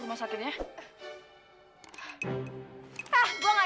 rumah mah sakit ma